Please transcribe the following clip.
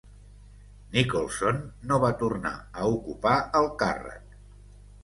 Nicholson no va tornar a ocupar el càrrec.